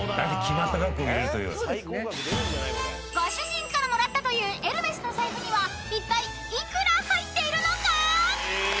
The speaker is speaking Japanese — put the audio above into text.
［ご主人からもらったというエルメスの財布にはいったい幾ら入っているのか？］